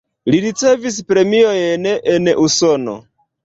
Li ricevis premiojn en Usono.